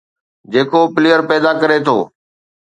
جيڪو پليئر پيدا ڪري ٿو،